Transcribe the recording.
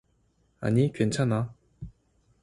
아니, 괜찮아.